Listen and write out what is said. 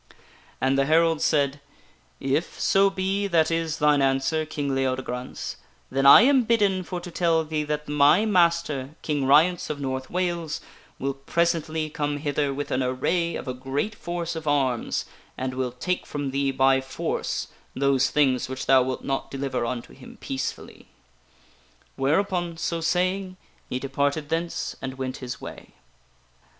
And the herald said :" If, so be, that is thine answer, King Leode grance, then am I bidden for to tell thee that my master, King Ryence of North Wales, will presently come hither with an array of a great force of arms, and will take from thee by force those things which thou wilt not deliver unto him peacefully." Whereupon, so saying, he departed thence and went his way.